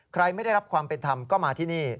ไม่ได้รับความเป็นธรรมก็มาที่นี่